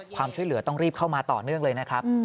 ความช่วยเหลือต้องรีบเข้ามาต่อเนื่องเลยนะครับ